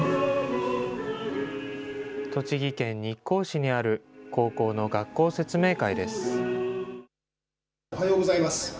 栃木県日光市にある高校の学校説明会です。